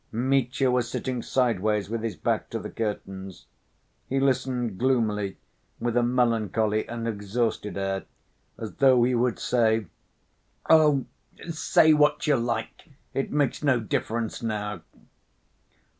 Mitya was sitting sideways with his back to the curtains. He listened gloomily, with a melancholy and exhausted air, as though he would say: "Oh, say what you like. It makes no difference now."